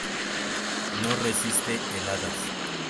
No resiste heladas.